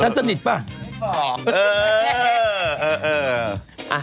ฉันสนิทป่ะ